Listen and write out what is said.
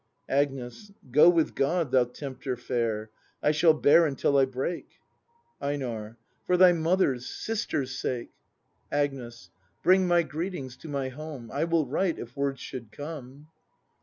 Agnes. Go with God, thou tempter fair; I shall bear until I break. Einar. For thy mother's, sisters' sake! ACT II] BRAND 99 Agnes. Bring my greetings to my Home; I will write — if words should come.